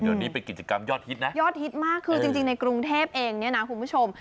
เดี๋ยวนี้เป็นกิจกรรมยอดฮิตนะยอดฮิตมากคือจริงในกรุงเทพเองเนี่ยนะคุณผู้ชม